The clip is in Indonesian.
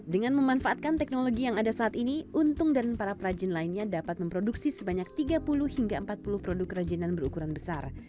dengan memanfaatkan teknologi yang ada saat ini untung dan para perajin lainnya dapat memproduksi sebanyak tiga puluh hingga empat puluh produk kerajinan berukuran besar